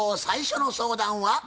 最初の相談は？